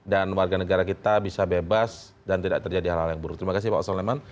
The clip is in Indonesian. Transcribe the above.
dan warga negara kita bisa bebas dan tidak terjadi hal hal yang buruk terima kasih pak suleman